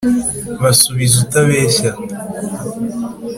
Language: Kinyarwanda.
Basubize utabeshya